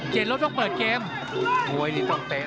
เจนรบต้องเปิดเกม